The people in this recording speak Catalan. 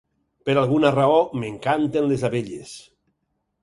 Per alguna raó m'encanten les abelles.